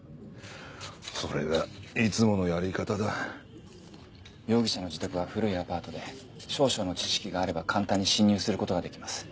それがいつものやり方だ容疑者の自宅は古いアパートで少々の知識があれば簡単に侵入することができます